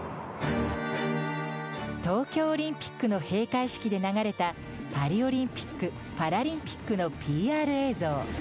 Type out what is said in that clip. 東京オリンピックの開会式で流れたパリオリンピック・パラリンピックのＰＲ映像。